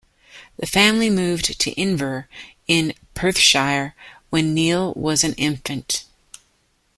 The family moved to Inver in Perthshire when Niel was an infant.